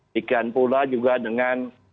dikian pula juga dengan